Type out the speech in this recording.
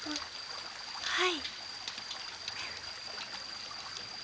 はい。